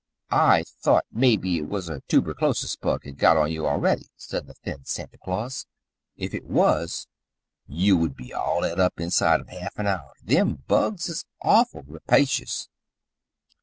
"I thought mebby it was a toober chlosis bug had got on you already," said the thin Santa Claus. "If it was you would be all eat up inside of half an hour. Them bugs is awful rapacious."